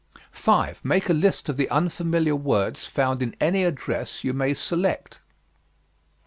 5. Make a list of the unfamiliar words found in any address you may select.